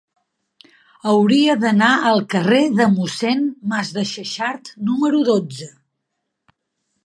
Hauria d'anar al carrer de Mossèn Masdexexart número dotze.